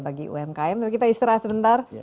bagi umkm tapi kita istirahat sebentar